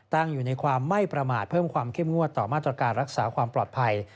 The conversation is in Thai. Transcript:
ตั้งอยู่ในความไม่ประมาทเพิ่มความเข้มงวดต่อมาตรการรักษาความปลอดภัย